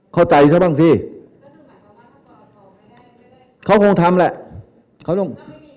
เข้าใจซะบ้างสิเขาคงทำแหละเขาต้อง